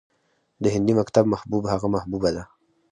د هندي مکتب محبوب همغه محبوبه ده